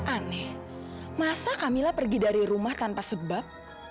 aneh masa kamila pergi dari rumah tanpa sebab